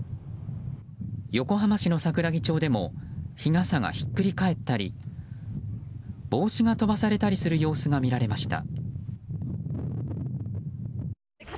横浜市の桜木町でも日傘がひっくり返ったり帽子が飛ばされたりする様子が見られました。